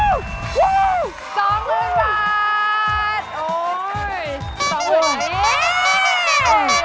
๒หมื่น